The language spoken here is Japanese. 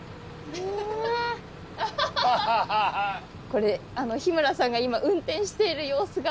これ日村さんが今運転している様子が。